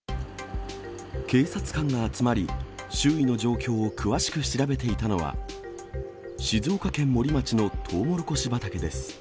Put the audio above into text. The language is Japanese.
警察官が集まり、周囲の状況を詳しく調べていたのは、静岡県森町のトウモロコシ畑です。